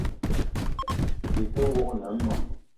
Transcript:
Byi te wok ne meng :